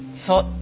そう。